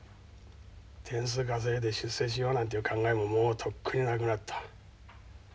点数稼いで出世しようなんていう考えももうとっくになくなった。